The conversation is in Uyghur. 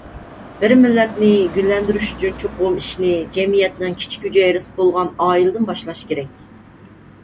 بىر مىللەتنى گۈللەندۈرۈش ئۈچۈن چوقۇم ئىشنى جەمئىيەتنىڭ كىچىك ھۈجەيرىسى بولغان ئائىلىدىن باشلاش كېرەك.